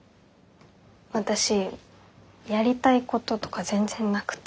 私やりたいこととか全然なくて。